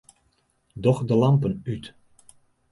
Doch de lampen út.